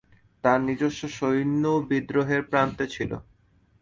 তার নিজস্ব সৈন্য বিদ্রোহের প্রান্তে ছিল।